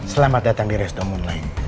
selamat datang di resto mulai